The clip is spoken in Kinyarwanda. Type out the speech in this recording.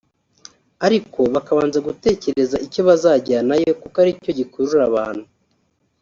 ariko bakabanza gutekereza icyo bazajyanayo kuko ari cyo gikurura abantu